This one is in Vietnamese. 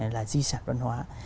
là di sản văn hóa